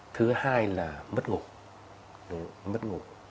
thứ hai là mất ngủ